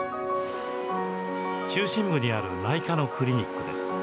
中心部にある内科のクリニックです。